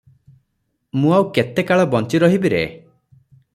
ମୁଁ ଆଉ କେତେ କାଳ ବଞ୍ଚି ରହିବି ରେ!